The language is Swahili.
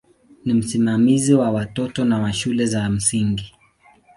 Ni msimamizi wa watoto na wa shule za msingi.